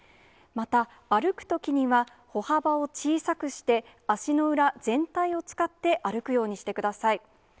また歩くときには、歩幅を小さくして、足の裏全体を使って歩くようにしてください。